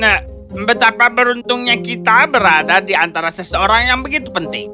nah betapa beruntungnya kita berada di antara seseorang yang begitu penting